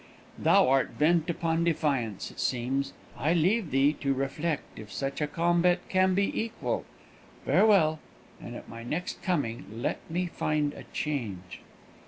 Thou art bent upon defiance, it seems. I leave thee to reflect if such a combat can be equal. Farewell; and at my next coming let me find a change!"